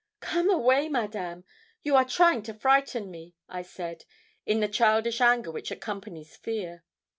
'Come away, Madame! you are trying to frighten me,' I said, in the childish anger which accompanies fear.